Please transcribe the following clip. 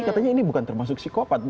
katanya ini bukan termasuk psikopat